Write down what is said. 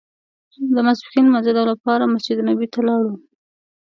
د ماسپښین لمانځه لپاره مسجد نبوي ته لاړو.